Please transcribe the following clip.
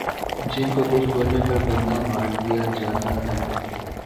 جن کو کچھ بولنے پر بندہ مار دیا جاتا ھے